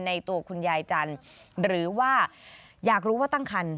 ตัวคุณยายจันทร์หรือว่าอยากรู้ว่าตั้งคัน